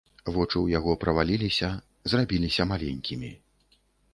Вочы ў яго праваліліся, зрабіліся маленькімі.